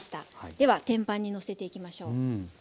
では天板にのせていきましょう。